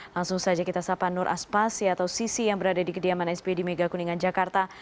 langsung saja kita sapa nur aspasi atau sisi yang berada di kediaman sp di mega kuningan jakarta